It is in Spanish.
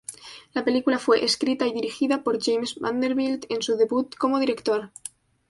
La película fue escrita y dirigida por James Vanderbilt en su debut como director.